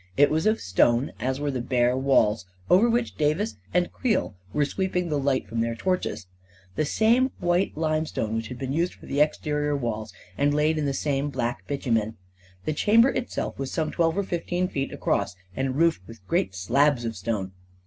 It was of stone, as were the bare walls over which Davis and Creel were sweeping the light from their torches — the same white limestone which had been used for the exterior walls, and laid in the same black bitumen. The chamber itself was some twelve or fifteen feet across, and roofed with great slabs of stone.